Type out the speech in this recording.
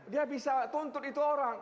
dia bisa tuntut itu orang